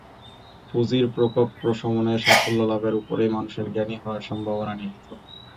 পুঁজির প্রকোপ প্রশমনে সাফল্য লাভের ওপরই মানুষের জ্ঞানী হওয়ার সম্ভাবনা নিহিত।